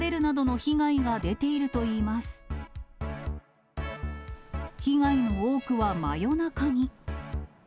被害の多くは真夜中に。